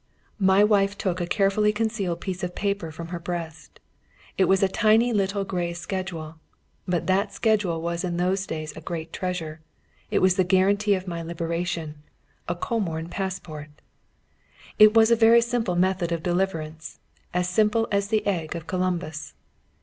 My wife took a carefully concealed piece of paper from her breast; it was a tiny little grey schedule, but that little schedule was in those days a great treasure. It was the guarantee of my liberation a Comorn passport. It was a very simple method of deliverance, as simple as the egg of Columbus.